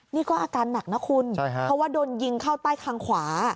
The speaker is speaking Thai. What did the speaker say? นี่ก็อาการหนักนะคุณเพราะว่าโดนยิงเข้าใต้คางขวา